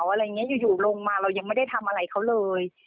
อะไรอย่างนี้อยู่ลงมาเรายังไม่ได้ทำอะไรเขาเลย